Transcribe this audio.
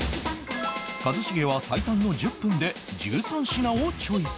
一茂は最短の１０分で１３品をチョイス